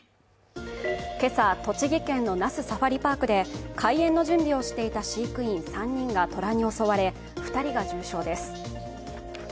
今朝、栃木県の那須サファリパークで開園の準備をしていた飼育員３人が虎に襲われ、２人が重傷です。